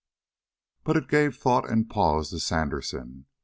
But it gave thought and pause to Sandersen.